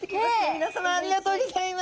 皆さまありがとうギョざいます。